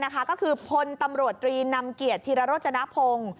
ก็คือคนตำรวจตรีนนำเกียรติธิระรสจราภง